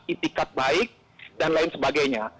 itikat baik dan lain sebagainya